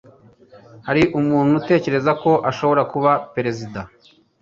hari umuntu utekereza ko ashobora kuba perezida?